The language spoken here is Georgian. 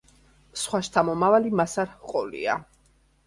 სხვა შთამომავალი მას არ ჰყოლია.